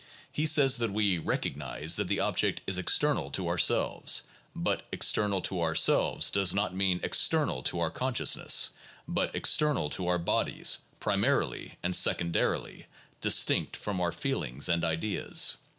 He says that we "recognize that the object is external to ourselves ... but ' external to ourselves ' does not mean external to our consciousness ... but external to our bodies, primarily, and secondarily, distinct from our feelings and ideas.